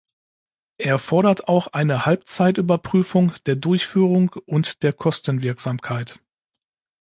Er fordert auch eine Halbzeitüberprüfung der Durchführung und der Kostenwirksamkeit.